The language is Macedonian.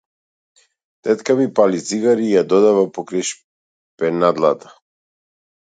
Тетка ми пали цигара и ја додава покрај шпенадлата.